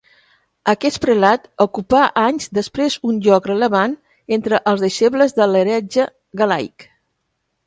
Aquest prelat ocupà anys després un lloc rellevant entre els deixebles de l'heretge galaic.